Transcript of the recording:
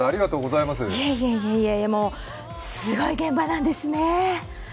いえいえいえいえすごい現場なんですね。